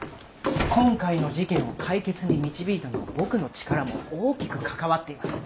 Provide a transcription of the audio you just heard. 今回の事件を解決に導いたのは僕の力も大きく関わっています。